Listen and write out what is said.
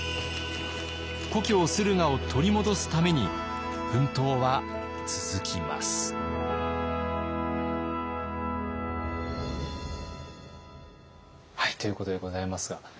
故郷駿河を取り戻すために奮闘は続きます。ということでございますが。